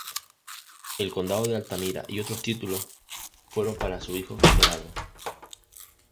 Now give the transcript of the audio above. El condado de Altamira y otros títulos fueron para su hijo Gerardo.